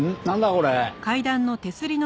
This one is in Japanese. これ。